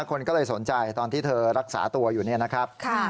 คนก็เลยสนใจตอนที่เธอรักษาตัวอยู่เนี่ยนะครับ